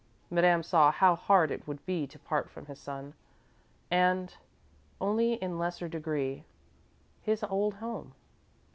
Madame saw how hard it would be to part from his son, and, only in lesser degree, his old home.